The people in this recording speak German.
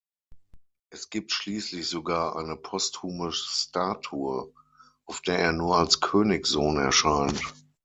Es gibt schließlich sogar eine posthume Statue, auf der er nur als "Königssohn" erscheint.